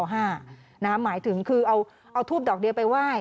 หมายถึงคือเอาทูบดอกเดียวไปไหว้